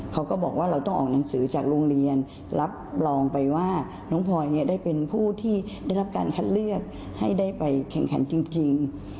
เขาก็บอกว่าเราต้องออกหนังสือจากโรงเรียนรับรองไปว่าน้องพลอยได้เป็นผู้ที่ได้รับการคัดเลือกให้ได้ไปแข่งขันจริง